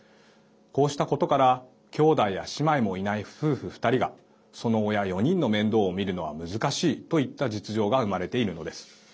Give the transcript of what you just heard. こうしたことから兄弟や姉妹もいない夫婦２人がその親４人の面倒を見るのは難しいといった実情が生まれているのです。